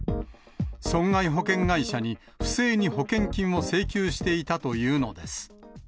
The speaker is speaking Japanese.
損害保険会社に不正に保険金を請求していたというのです。